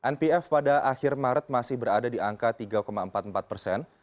npf pada akhir maret masih berada di angka tiga empat puluh empat persen